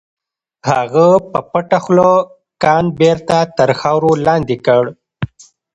هغه په پټه خوله کان بېرته تر خاورو لاندې کړ.